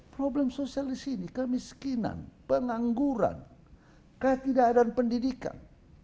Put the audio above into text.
problem sosial di sini kemiskinan pengangguran ketidakadaan pendidikan